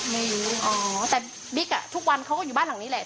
ไม่รู้อ๋อแต่บิ๊กอ่ะทุกวันเขาก็อยู่บ้านหลังนี้แหละ